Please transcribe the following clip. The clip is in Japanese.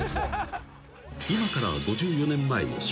［今から５４年前の昭和４４年］